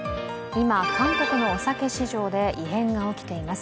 今、韓国のお酒市場で異変が起きています。